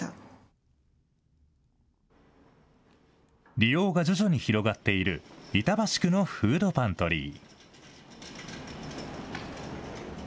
利用が徐々に広がっている板橋区のフードパントリー。